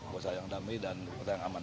kota yang damai dan kota yang aman